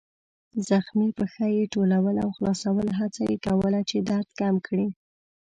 زخمي پښه يې ټولول او خلاصول، هڅه یې کوله چې درد کم کړي.